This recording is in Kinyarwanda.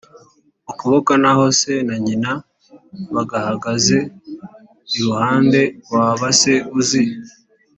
ukuboko naho se na nyina bagahagaze iruhande Waba se uzi